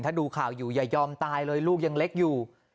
ถ้าดูข่าวอยู่อย่ายอมตายเลยลูกยังเล็กอยู่